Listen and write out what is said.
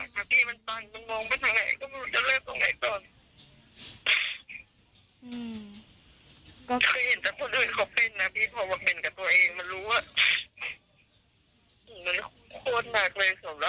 เคยเห็นแต่คนอื่นเค้าเป็นนะพี่พอว่าเป็นกับตัวเองมารู้อะ